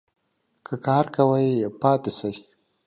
که کار کوی ؟ پاته سئ